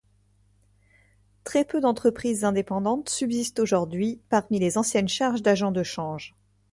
Très peu d'entreprises indépendantes subsistent aujourd'hui parmi les anciennes charges d'agents de change.